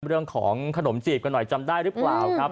เรื่องของขนมจีบกันหน่อยจำได้หรือเปล่าครับ